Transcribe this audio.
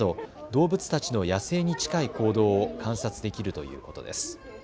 動物たちの野生に近い行動を観察できるということです。